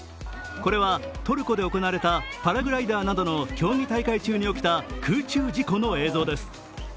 これは、トルコで行われたパラグライダーなどの競技大会中に起きた空中事故の映像です。